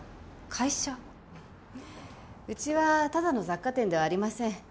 うちはただの雑貨店ではありません。